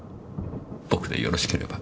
僕でよろしければ。